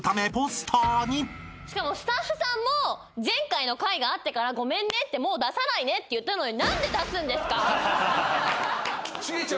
しかもスタッフさんも前回の回があってからごめんねってもう出さないねって言ったのに。